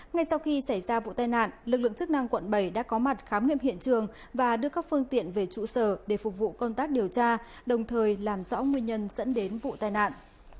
ngay sau khi xảy ra vụ tai nạn lực lượng chức năng quận bảy đã có mặt khám nghiệm hiện trường và đưa các phương tiện về trụ sở để phục vụ công tác điều tra đồng thời làm rõ nguyên nhân dẫn đến vụ tai nạn